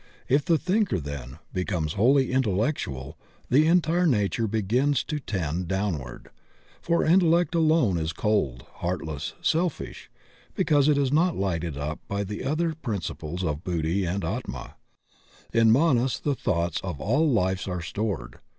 If the Thinker, then, becomes wholly intellectual, the entire nature begins to tend downward; for intellect alone is cold, heartless, selfish, because it is not lighted up by the two other principles of Buddhi and Atma, In Manas the thoughts of all lives are stored.